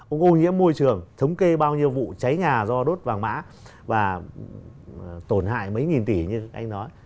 ông âu nghĩa môi trường thống kê bao nhiêu vụ cháy nhà do đốt vàng mã và tổn hại mấy nghìn tỷ như anh nói